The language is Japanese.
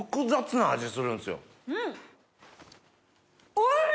おいしい！